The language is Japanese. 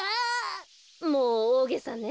もうおおげさね。